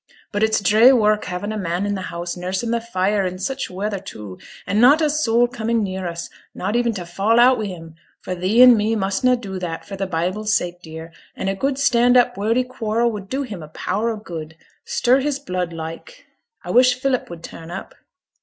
But it's dree work havin' a man i' th' house, nursing th' fire, an' such weather too, and not a soul coming near us, not even to fall out wi' him; for thee and me must na' do that, for th' Bible's sake, dear; and a good stand up wordy quarrel would do him a power of good; stir his blood like. I wish Philip would turn up.'